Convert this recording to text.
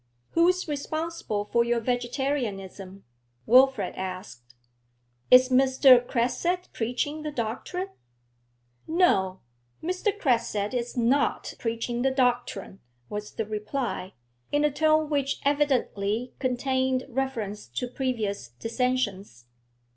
'Who is responsible for your vegetarianism?' Wilfrid asked. 'Is Mr. Cresset preaching the doctrine?' 'No, Mr. Cresset is not preaching the doctrine,' was the reply, in a tone which evidently contained reference to previous dissensions.